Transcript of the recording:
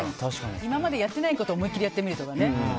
今までやってないことを思いっきりやってみるとか。